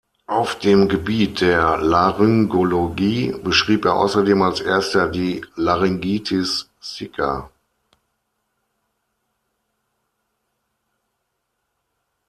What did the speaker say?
Auf dem Gebiet der Laryngologie beschrieb er außerdem als Erster die "Laryngitis sicca".